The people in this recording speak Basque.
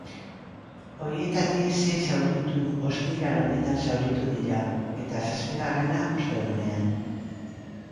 Horietatik sei zauritu ostiral honetan zauritu dira, eta, zazpigarrena, ostegunean.